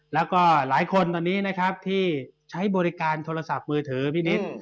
แล้วก็หลายคนตอนนี้นะครับที่ใช้บริการโทรศัพท์มือถือพี่นิด